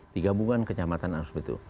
digabungkan kecamatan harus begitu